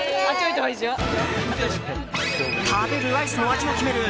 食べるアイスの味を決める